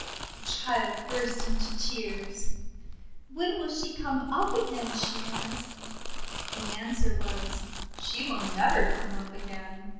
The child burst into tears. 408 THE WONDER GARDEN 'When will she come up again?" she asked. The answer was, :<She will never come up again."